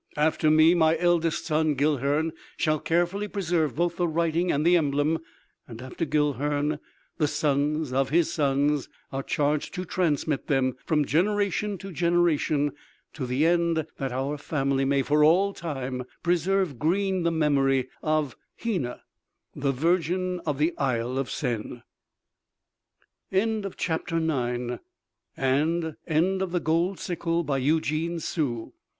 After me, my eldest son Guilhern shall carefully preserve both the writing and the emblem, and after Guilhern, the sons of his sons are charged to transmit them from generation to generation, to the end that our family may for all time preserve green the memory of Hena, the virgin of the Isle of Sen. (The End.) THE INFANT'S SKULL; OR THE END OF THE WORLD. By EUGENE SUE.